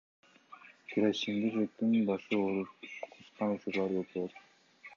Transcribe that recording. Керосиндин жытынан башы ооруп, кускан учурлары көп болот.